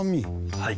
はい。